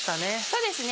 そうですね。